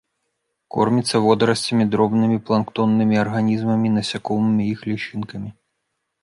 Корміцца водарасцямі, дробнымі планктоннымі арганізмамі, насякомымі і іх лічынкамі.